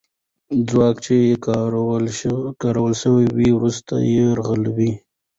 ځواک چې کارول سوی وو، وروستی یرغل وو.